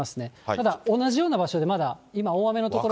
ただ、同じような場所で、まだ今、大雨の所も。